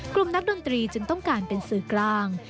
นักดนตรีจึงต้องการเป็นสื่อกลาง